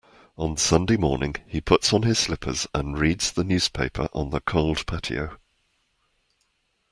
On Sunday mornings, he puts on his slippers and reads the newspaper on the cold patio.